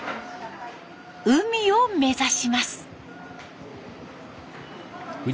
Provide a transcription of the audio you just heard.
海を目指します。